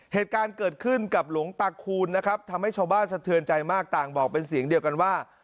เหตุการณ์เกิดขึ้นกับหลวงตาคูณนะครับทำให้ชาวบ้านสะเทือนใจมากต่างบอกเป็นเสียงเดียวกันว่า